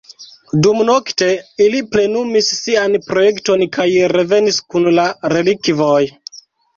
Dumnokte, ili plenumis sian projekton kaj revenis kun la relikvoj.